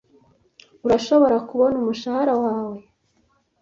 Urashobora kubona umushahara wawe?